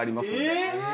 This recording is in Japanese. え？